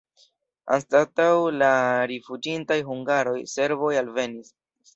Anstataŭ la rifuĝintaj hungaroj serboj alvenis.